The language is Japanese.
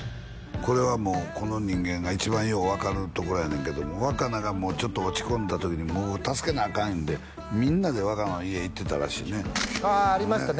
これはもうこの人間が一番よう分かるとこやねんけども若菜がちょっと落ち込んだ時にもう助けなアカンいうのでみんなで若菜の家行ってたらしいねあありましたね